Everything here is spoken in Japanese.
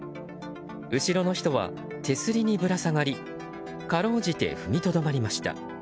後ろの人は手すりにぶら下がりかろうじて踏みとどまりました。